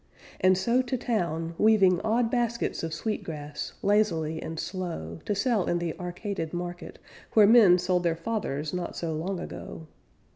And so to town Weaving odd baskets of sweet grass, Lazily and slow, To sell in the arcaded market, Where men sold their fathers not so long ago.